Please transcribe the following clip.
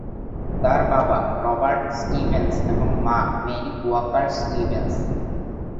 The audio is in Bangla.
তার বাবা "রবার্ট স্টিভেন্স" এবং মা "মেরি ওয়াকার স্টিভেন্স"।